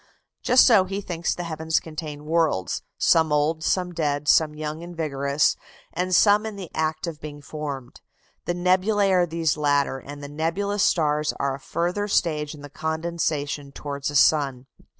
Just so he thinks the heavens contain worlds, some old, some dead, some young and vigorous, and some in the act of being formed. The nebulæ are these latter, and the nebulous stars are a further stage in the condensation towards a sun.